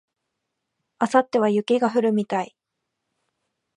明後日は雪が降るみたい